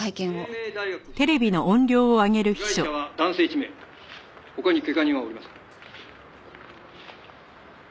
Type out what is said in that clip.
「帝名大学敷地内被害者は男性１名」「他に怪我人はおりません」